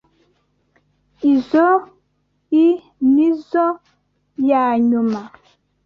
Izoi nizoo yanyuma.